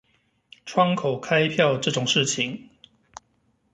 窗口開票這種事情